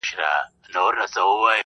تاسې باور وکړئ، په کندهار کې